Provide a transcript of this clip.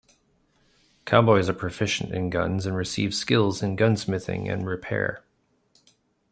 Cowboys are proficient in guns and receive skills in gunsmithing and repair.